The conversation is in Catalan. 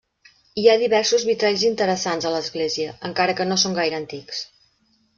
Hi ha diversos vitralls interessants a l'església, encara que no són gaire antics.